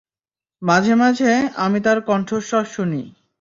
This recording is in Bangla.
মাঝে মাঝে, আমি তার কন্ঠস্বর শুনি।